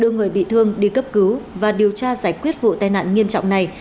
đưa người bị thương đi cấp cứu và điều tra giải quyết vụ tai nạn nghiêm trọng này